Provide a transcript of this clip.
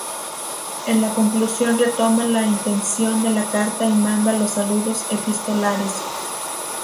En la conclusión retoma la intención de la carta y manda los saludos epistolares.